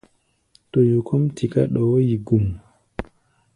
Toyo kɔ́ʼm tiká ɗɔɔ́ yi gum.